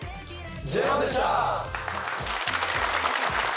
ＪＯ１でした。